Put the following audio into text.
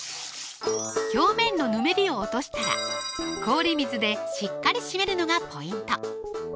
表面のぬめりを落としたら氷水でしっかりしめるのがポイント